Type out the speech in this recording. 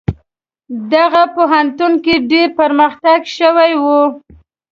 دغه پوهنتون کې ډیر پرمختګ شوی و.